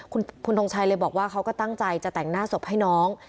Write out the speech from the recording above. คุณทงชัยเลยบอกว่าเขาก็ตั้งใจจะแต่งหน้าศพให้น้อง